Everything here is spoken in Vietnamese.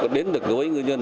đến được đối với ngư dân